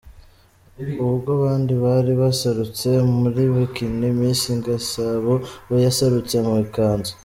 Ubwo abandi bari baserutse muri Bikini, Miss Igisabo we yaserutse mu ikanzu.